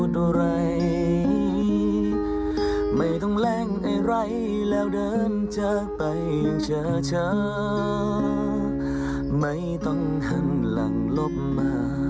เดี๋ยวไปฟังกันหน่อยค่ะ